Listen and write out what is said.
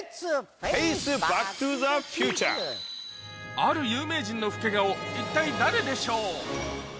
ある有名人の老け顔一体誰でしょう？